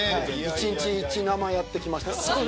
１日１生やって来ました。